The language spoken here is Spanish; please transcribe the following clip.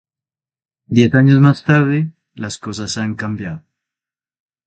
Diez años más tarde, las cosas han cambiado.